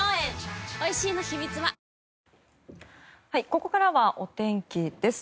ここからはお天気です。